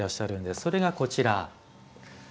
それがこちら。